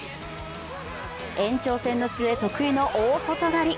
延長戦の末、得意の大外刈り。